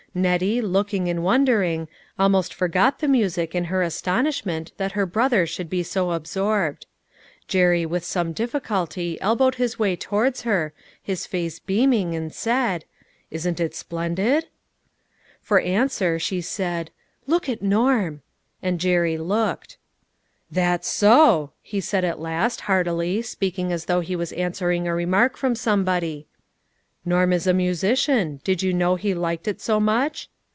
Nettie, looking, and wondering, almost forgot the music in her astonishment that her brother should be so absorbed. Jerry with some diffi culty elbowed his way towards her, his face beaming, and said, " Isn't it splendid ?" A SATISFACTORY EVENING. 323 For answer she said, " Look at Norm." And Jerry looked. " That's so," he said at last, heartily, speak ing as though he was answering a remark from somebody ;" Norm is a musician. Did you know he liked it so much